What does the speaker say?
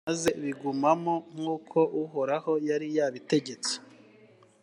maze bigumamo nk’uko uhoraho yari yabintegetse.